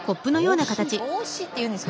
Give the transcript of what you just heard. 帽子っていうんですか？